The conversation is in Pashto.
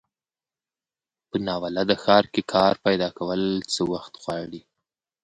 په ناولده ښار کې کار پیداکول څه وخت غواړي.